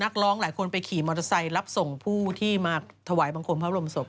นักร้องหลายคนไปขี่มอเตอร์ไซค์รับส่งผู้ที่มาถวายบังคมพระบรมศพ